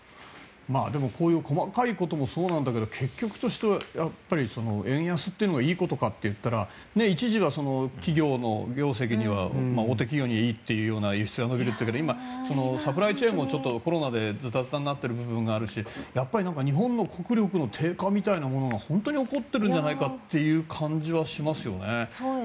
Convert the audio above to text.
でも、こういう細かいこともそうなんだけど結局というのは円安というのはいいことかといったら一時は企業の業績には大手企業にはいいという輸出が伸びるというけど今、サプライチェーンもコロナでずたずたになってる部分があるし日本の国力の低下みたいなものが本当に起こっているんじゃないかという感じはしますよね。